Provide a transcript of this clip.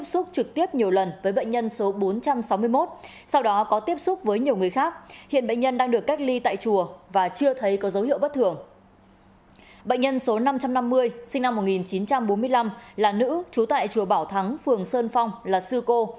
bệnh nhân số năm trăm năm mươi sinh năm một nghìn chín trăm bốn mươi năm là nữ trú tại chùa bảo thắng phường sơn phong là sư cô